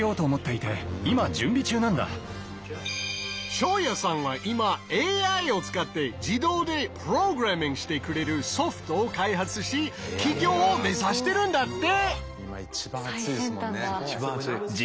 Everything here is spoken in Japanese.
ショーヤさんは今ＡＩを使って自動でプログラミングしてくれるソフトを開発し起業を目指してるんだって。